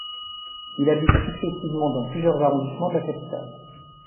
Il habite successivement dans plusieurs arrondissements de la capitale.